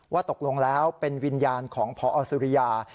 ว่าตกลงแล้วเป็นวิญญาณของพอสุริยา